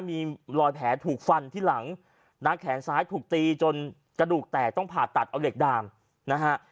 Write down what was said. มีรอยแผลถูกฟันที่หลังนะแขนซ้ายถูกตีจนกระดูกแตกต้องผ่าตัดเอาเหล็กดามนะฮะ